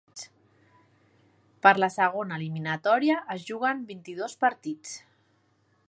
Per la segona eliminatòria es juguen vint-i-dos partits.